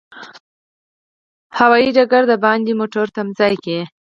هوایي ډګر د باندې موټرو تمځای کې.